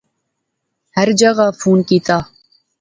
ہر جاغا فون کیتیا